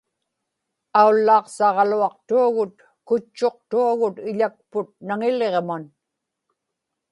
aullaaqsaġaluaqtuagut kutchuqtuagut iḷakput naŋiliġman